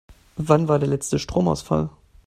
Wann war der letzte Stromausfall?